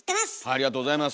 ありがとうございます！